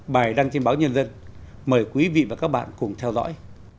bài đăng trên báo nhân dân mời quý vị và các bạn cùng theo dõi